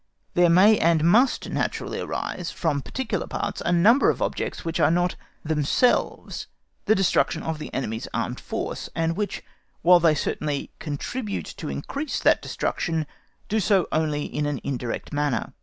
There may and must naturally arise for particular parts a number of objects which are not themselves the destruction of the enemy's armed force, and which, while they certainly contribute to increase that destruction, do so only in an indirect manner.